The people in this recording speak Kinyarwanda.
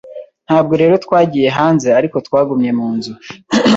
Ntabwo rero twagiye hanze, ariko twagumye mu nzu.